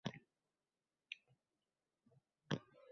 kel, qasos yomg’iri –